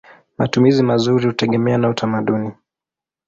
Matumizi mazuri hutegemea na utamaduni.